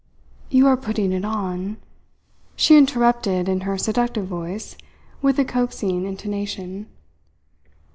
..." "You are putting it on," she interrupted in her seductive voice, with a coaxing intonation.